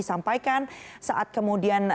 sampaikan saat kemudian